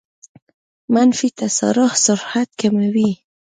منفي تسارع سرعت کموي.